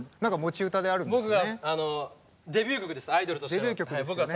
デビュー曲ですよね。